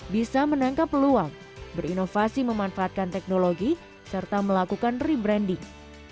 bisa menangkap peluang berinovasi memanfaatkan teknologi serta melakukan rebranding